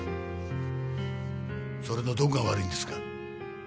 それのどこが悪いんですか？